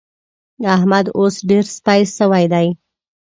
احمد اوس ډېر سپي شوی دی.